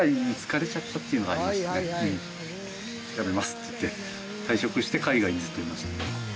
って言って退職して海外にずっといました。